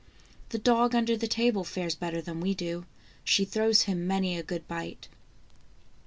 The dog under the table fares better than we do ; she throws him many a good bite.